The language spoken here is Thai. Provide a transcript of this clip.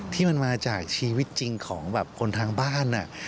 ที่มันมาจากชีวิตจริงของแบบคนทางบ้าน